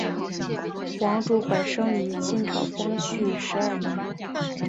王竹怀生于清朝光绪十二年。